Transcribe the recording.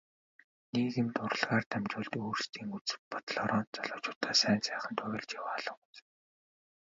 Нийгэмд урлагаар дамжуулж өөрсдийн үзэл бодлоороо залуучуудаа сайн сайханд уриалж яваа л хүмүүс.